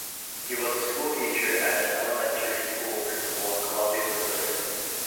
He was a school teacher and an elementary school principal in Columbia, Missouri.